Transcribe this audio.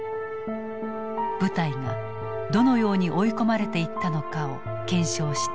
部隊がどのように追い込まれていったのかを検証した。